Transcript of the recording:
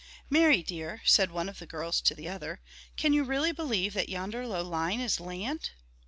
"Mary dear," said one of the girls to the other, "can you really believe that yonder low line is land?"